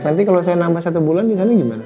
nanti kalau saya nambah satu bulan disana gimana